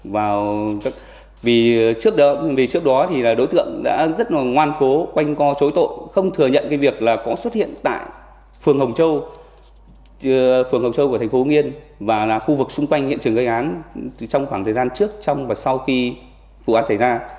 vì trước đó thì đối tượng đã rất là ngoan cố quanh co chối tội không thừa nhận cái việc là có xuất hiện tại phường hồng châu của thành phố nguyên và là khu vực xung quanh hiện trường gây án trong khoảng thời gian trước trong và sau khi vụ án xảy ra